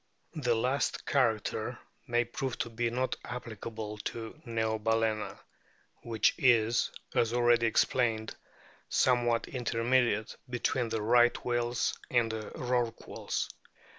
The last character may prove to be not applicable to Neobalcena, which is, as already explained, some what intermediate between the Right whales and the Rorquals.